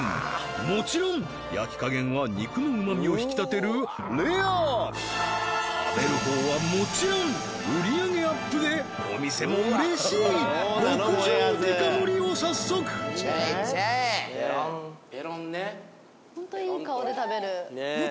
もちろん焼き加減は肉のうまみを引き立てるレア食べる方はもちろん売り上げアップでお店も嬉しい極上デカ盛を早速ペロンペロンね